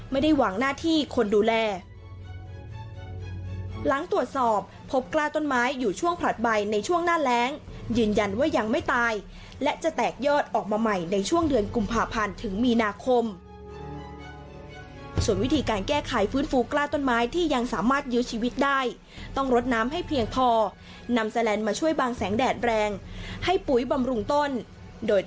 มีคนดูแลหลังตรวจสอบพบกล้าต้นไม้อยู่ช่วงผลัดใบในช่วงหน้าแร้งยืนยันว่ายังไม่ตายและจะแตกเยินออกมาใหม่ในช่วงเดือนกุมภาพันธ์ถึงมีนาคมส่วนวิธีการแก้ไขฟื้นฟูกล้าต้นไม้ที่ยังสามารถยืดชีวิตได้ต้องรดน้ำให้เพียงพอนำแซลันมาช่วยบางแสงแดดแรงให้ปุ๋ยบำรุงต้นโด